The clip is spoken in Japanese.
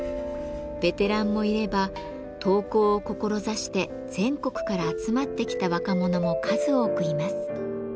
ベテランもいれば陶工を志して全国から集まってきた若者も数多くいます。